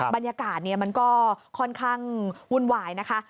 บรรยากาศมันก็ค่อนข้างวุ่นวายนะคะ